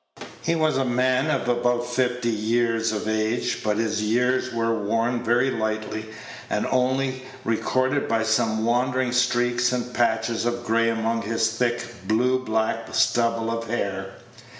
He was a man of about fifty years of age, but his years were worn very lightly, and only recorded by some wandering streaks and patches of gray among his thick blue black stubble of hair.